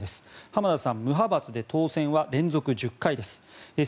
浜田さん、無派閥で当選は連続１０回です。